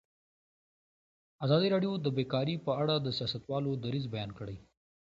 ازادي راډیو د بیکاري په اړه د سیاستوالو دریځ بیان کړی.